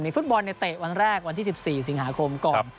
ฟุตบอลในเตะวันแรกวันที่๑๔สิงหาคมก่อน